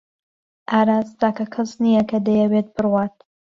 ئاراس تاکە کەس نییە کە دەیەوێت بڕوات.